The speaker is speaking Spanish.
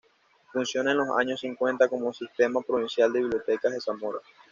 Funciona en los años cincuenta como Sistema Provincial de Bibliotecas de Zamora.